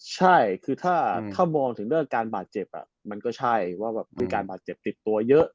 ใช่คือถ้ามองถึงเรื่องการบาดเจ็บมันก็ใช่ว่าแบบมีการบาดเจ็บติดตัวเยอะ